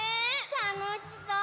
たのしそう！